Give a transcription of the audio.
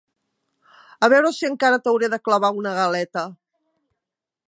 A veure si encara t'hauré de clavar una galeta!